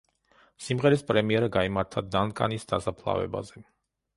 სიმღერის პრემიერა გაიმართა დანკანის დასაფლავებაზე.